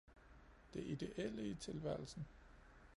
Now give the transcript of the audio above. Det ideele i tilværelsen